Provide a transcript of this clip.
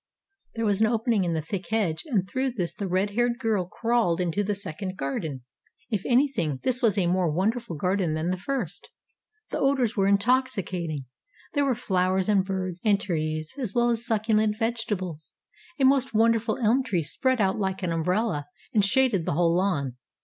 There was an opening in the thick hedge, and through this the red haired girl crawled into the second garden. If anything, this was a more wonderful garden than the first. The odors were intoxicating. There were flowers and birds and trees as well as succulent vegetables. A most wonderful elm tree spread out like an umbrella and shaded the whole lawn.